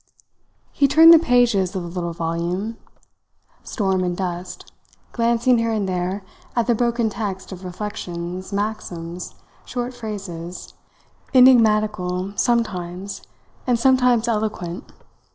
He turned the pages of the little volume, "Storm and Dust," glancing here and there at the broken text of reflections, maxims, short phrases, enigmatical sometimes and sometimes eloquent.